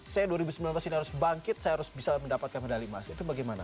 saya dua ribu sembilan belas ini harus bangkit saya harus bisa mendapatkan medali emas itu bagaimana